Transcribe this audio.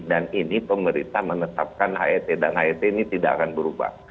dan ini pemerintah menetapkan aet dan aet ini tidak akan berubah